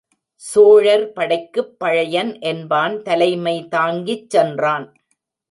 சோழர் படைக்குப் பழையன் என்பான் தலைமை தாங்கிச் சென்றான்.